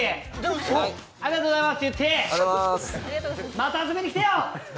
また遊びに来てよ！